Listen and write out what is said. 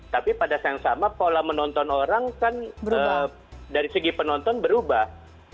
tapi pada saat yang sama pola menonton orang kan dari segi penonton berubah